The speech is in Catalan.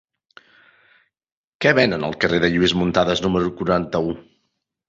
Què venen al carrer de Lluís Muntadas número quaranta-u?